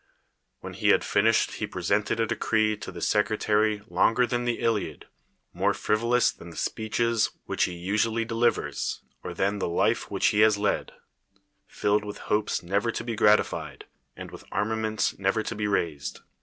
"When he had finished he presented a decree to the secretary longer than the Iliad, more friv olous than the speeches which he usually de livers, or tliau the life whiAi lie has led: filled with hopes never to be ^ratilied. and with arma ments never to be raised.